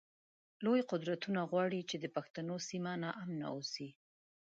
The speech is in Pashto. لوی قدرتونه غواړی چی د پښتنو سیمه ناامنه اوسی